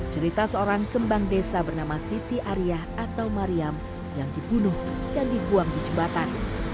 cerita seorang kembang desa bernama siti arya atau mariam yang dibunuh dan dibuang di jembatan